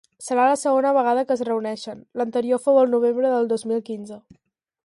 Serà la segona vegada que es reuneixen; l’anterior fou el novembre del dos mil quinze.